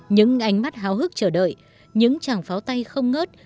những ánh mắt háo hức chờ đợi những chàng pháo tay không ngớt